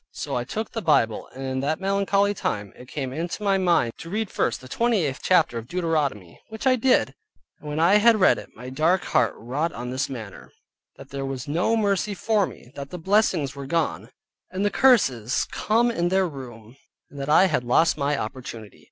So I took the Bible, and in that melancholy time, it came into my mind to read first the 28th chapter of Deuteronomy, which I did, and when I had read it, my dark heart wrought on this manner: that there was no mercy for me, that the blessings were gone, and the curses come in their room, and that I had lost my opportunity.